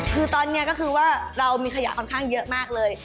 คือตอนนี้ก็คือว่าเรามีขยะค่อนข้างเยอะมากเลย